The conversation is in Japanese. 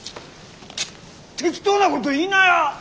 適当なこと言いなや！